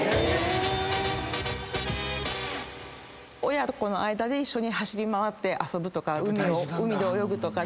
親子の間で一緒に走り回って遊ぶとか海で泳ぐとか。